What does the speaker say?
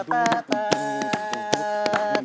ขอบคุณครับ